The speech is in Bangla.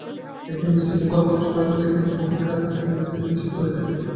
একজন স্ত্রীলােক ঘরে প্রবেশ করিতে চায়, কিন্তু প্রহরীরা তাহাকে নিষেধ করিতেছে।